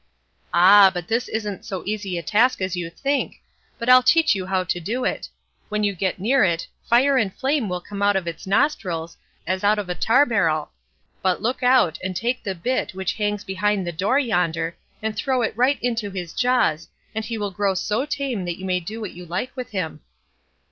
"Ah, but this isn't so easy a task as you think; but I'll teach you how to do it. When you get near it, fire and flame will come out of its nostrils, as out of a tar barrel; but look out, and take the bit which hangs behind the door yonder, and throw it right into his jaws, and he will grow so tame that you may do what you like with him."